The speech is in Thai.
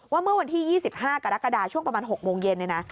ว่าเมื่อวันที่๒๕กรกฎาช่วงประมาณ๖โมงเย็น